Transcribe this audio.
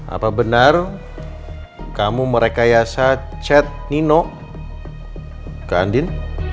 apa benar kamu merekayasa chat nino ke andin